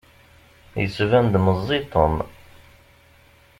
Yettban-d meẓẓi Tom.